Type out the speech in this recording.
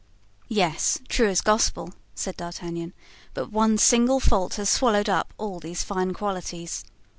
"Yes, true as Gospel," said D'Artagnan; "but one single fault has swallowed up all these fine qualities."